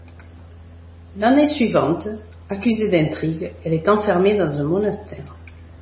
L'année suivante, accusée d'intrigues, elle est enfermée dans un monastère.